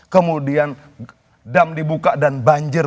kemudian dam dibuka dan banjir